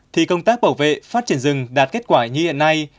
thì công tác bảo vệ phát triển rừng đạt kết quả như hiện nay